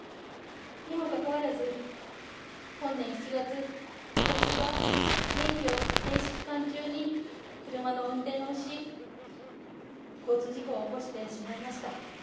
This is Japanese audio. にもかかわらず、本年７月、私は免許停止期間中に車の運転をし、交通事故を起こしてしまいました。